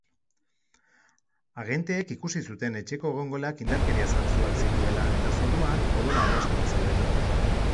Agenteek ikusi zuten etxeko egongelak indarkeria zantzuak zituela eta zoruan odol arrastoak zeudela.